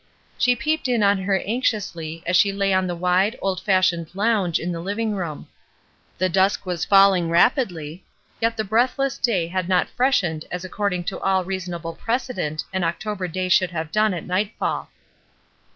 She peeped in on her anxiously as she lay on the wide, old fashioned lounge in the living room. The dusk was falling rapidly, yet the breath less day had not freshened as according to all reasonable precedent an October day should have done at nightfall.